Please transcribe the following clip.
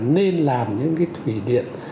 nên làm những cái thủy điện